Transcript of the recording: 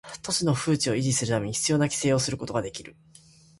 都市の風致を維持するため必要な規制をすることができる